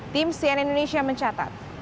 tim cnn indonesia mencatat